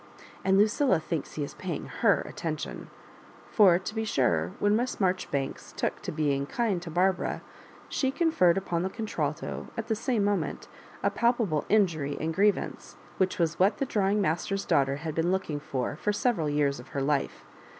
" And Lucilla thinks he is paying her attention I For to be sure when Miss Marjoribanks took to being kind to Barbara, she conferred upon the contralto at the same moment a palpable injury and griev ance, which was what the drawing master^s daughter had been looking for, for several years of her life.